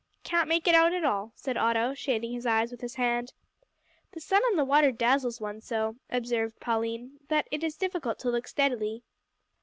"Can't make it out at all," said Otto, shading his eyes with his hand. "The sun on the water dazzles one so," observed Pauline, "that it is difficult to look steadily."